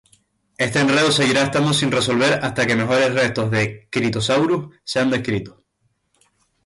Este enredo seguirá estando sin resolver hasta que mejores restos de "Kritosaurus" sean descritos.